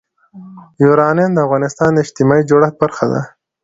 یورانیم د افغانستان د اجتماعي جوړښت برخه ده.